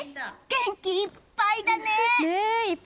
元気いっぱいだね！